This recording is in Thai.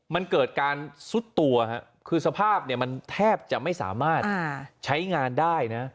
มันเกิดการซุดตัวคือสภาพเนี่ยมันแทบจะไม่สามารถใช้งานได้นะ